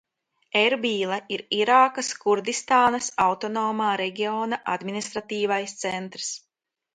Erbīla ir Irākas Kurdistānas autonomā reģiona administratīvais centrs.